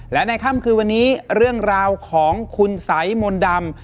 และในค่ำคืนวันนี้เรื่องราวของคุณสัยมนต์ดำ